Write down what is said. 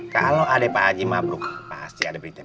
kalo ada pak haji mabruk pasti ada berita baru